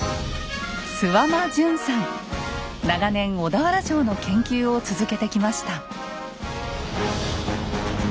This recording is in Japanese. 長年小田原城の研究を続けてきました。